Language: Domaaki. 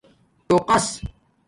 ٹݸقس